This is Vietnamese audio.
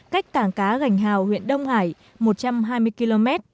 cách cảng cá gành hào huyện đông hải một trăm hai mươi km